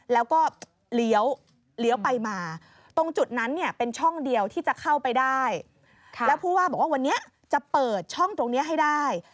แล้วผู้ว่าบอกว่าวันนี้จะเปิดช่องตรงนี้ให้ได้